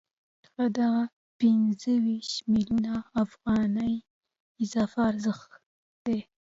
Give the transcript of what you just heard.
دغه پنځه ویشت میلیونه افغانۍ اضافي ارزښت دی